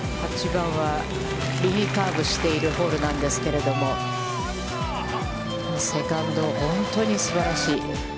８番は、右カーブしているホールなんですけれども、セカンド、本当にすばらしい。